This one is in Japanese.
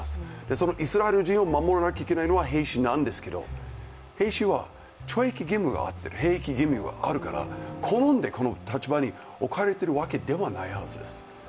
そのイスラエル人を守らなきゃいけないのは兵士なんですけど、兵士は懲役義務、兵役義務があるから、好んでこの立場に置かれているわけではないはずです。